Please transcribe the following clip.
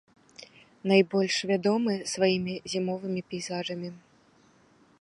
Найбольш вядомы сваімі зімовымі пейзажамі.